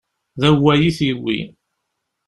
D awway i t-yewwi.